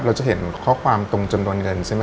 เราจะเห็นข้อความตรงจำนวนเงิน